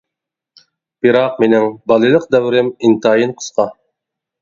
بىراق مېنىڭ بالىلىق دەۋرىم ئىنتايىن قىسقا.